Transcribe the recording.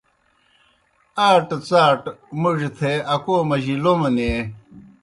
آٹہ څاٹہ موڙیْ تھے اکو مجیْ لومہ نیں۔